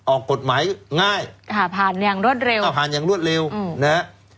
ออกกฎหมายง่ายอ่าผ่านอย่างรวดเร็วอ่าผ่านอย่างรวดเร็วอืมนะฮะ